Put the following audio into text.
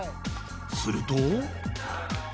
すると